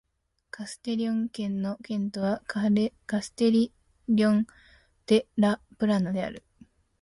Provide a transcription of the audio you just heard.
カステリョン県の県都はカステリョン・デ・ラ・プラナである